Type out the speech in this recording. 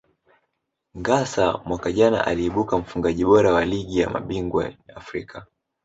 Ngassa mwaka jana aliibuka mfungaji bora wa Ligi ya mabingwa Afrika